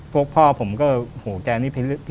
พวกพ่อผมก็หูแกนี่พีชมาตรก่อน